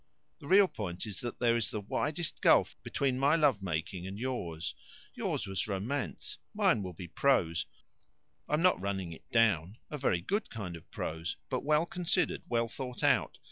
The real point is that there is the widest gulf between my love making and yours. Yours was romance; mine will be prose. I'm not running it down a very good kind of prose, but well considered, well thought out.